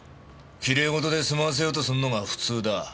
きれい事で済ませようとするのが普通だ。